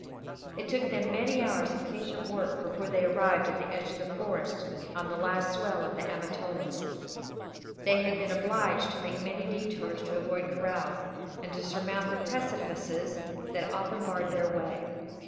It took them many hours of patient work before they arrived at the edge of the forest on the last swell of the Amatolas. They had been obliged to make many detours to avoid kraals, and to surmount the precipices that often barred their way.